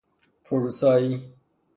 فروسایی